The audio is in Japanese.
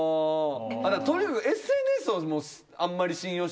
とにかくＳＮＳをあんまり信用してない？